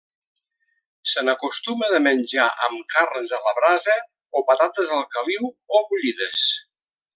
Se n'acostuma de menjar amb carns a la brasa o patates al caliu o bullides.